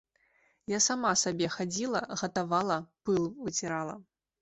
Я сама сабе хадзіла, гатавала, пыл выцірала.